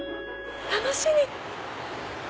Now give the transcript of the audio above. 楽しみ！